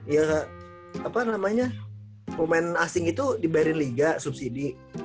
ya apa namanya pemain asing itu dibayarin liga subsidi